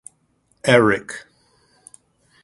Elric!